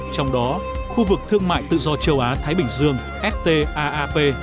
trong đó khu vực thương mại tự do châu á thái bình dương ftap